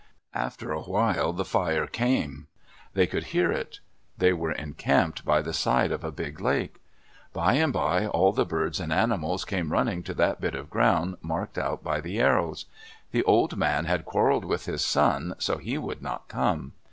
After a while the fire came. They could hear it. They were encamped by the side of a big lake. By and by all the birds and animals came running to that bit of ground marked out by the arrows. The old man had quarreled with his son, so he would not come.